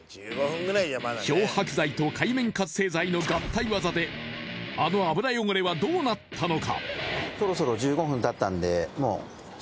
漂白剤と界面活性剤の合体技で、あの油汚れはどうなったのか。